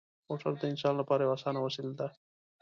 موټر د انسان لپاره یوه اسانه وسیله ده.